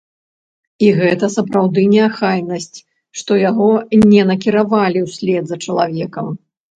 І гэта сапраўды неахайнасць, што яго не накіравалі ўслед за чалавекам.